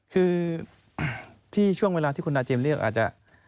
คือที่ช่วงเวลาที่คุณนาเจมสเรียกอาจจะ